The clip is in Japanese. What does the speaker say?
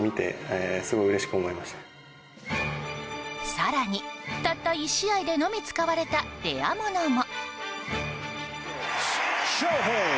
更にたった１試合でのみ使われたレア物も。